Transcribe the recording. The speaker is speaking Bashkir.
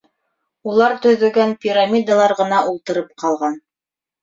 Улар төҙөгән пирамидалар ғына ултырып ҡалған.